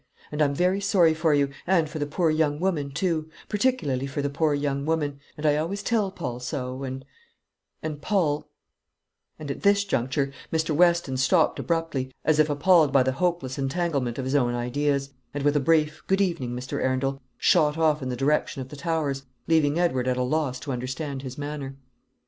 And I'm very sorry for you, and for the poor young woman too particularly for the poor young woman and I always tell Paul so and and Paul " And at this juncture Mr. Weston stopped abruptly, as if appalled by the hopeless entanglement of his own ideas, and with a brief "Good evening, Mr. Arundel," shot off in the direction of the Towers, leaving Edward at a loss to understand his manner.